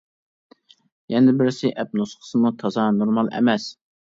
يەنە بىرسى ئەپ نۇسخىسىمۇ تازا نورمال ئەمەس.